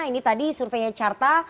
ini tadi surveinya carta